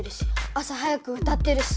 朝早く歌ってるし！